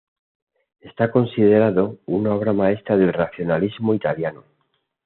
Está considerado una obra maestra del racionalismo italiano.